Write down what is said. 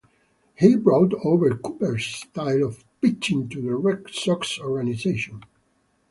He brought over Cooper's style of pitching to the Red Sox organization.